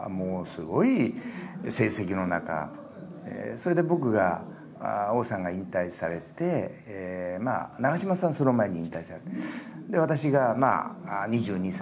それで僕が王さんが引退されて長嶋さんはその前に引退されて。